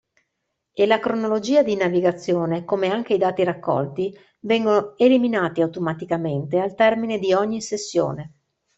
E la cronologia di navigazione, come anche i dati raccolti, vengono eliminati automaticamente al termine di ogni sessione.